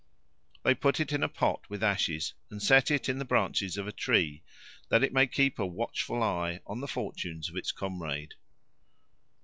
They put it in a pot with ashes, and set it in the branches of a tree, that it may keep a watchful eye on the fortunes of its comrade.